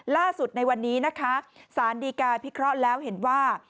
ล่าสุดในวันนี้สารดีกาพิเคราะห์แล้วเห็นว่า